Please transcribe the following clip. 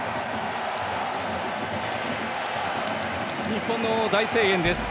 日本の大声援です。